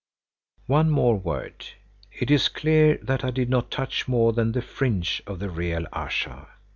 One more word. It is clear that I did not touch more than the fringe of the real Ayesha.